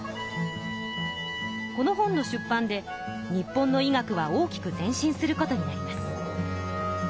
この本の出版で日本の医学は大きく前進することになります。